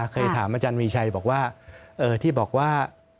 เคยถามอาจารย์มีชัยบอกว่าที่บอกว่า